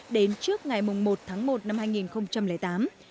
đến trước ngày một tháng một năm hai nghìn tám